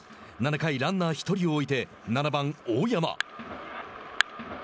７回、ランナー１人を置いて７番大山。